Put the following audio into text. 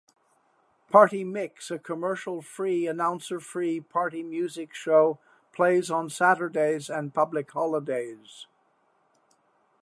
Party Mix, a commercial-free, announcer-free party music show, plays on Saturdays and public holidays.